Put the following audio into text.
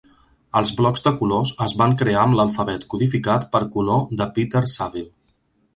Els blocs de colors es van crear amb l'alfabet codificat per color de Peter Saville.